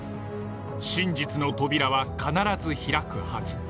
真実の扉は必ず開くはず。